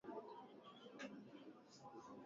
del Angel anguko la malaikaambako maji huanguka Mto